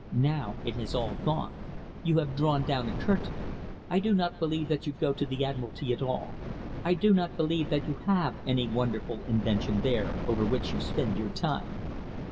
Now it has all gone. You have drawn down a curtain. I do not believe that you go to the Admiralty at all. I do not believe that you have any wonderful invention there over which you spend your time."